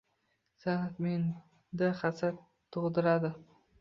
San’at menda hasad tug’diradi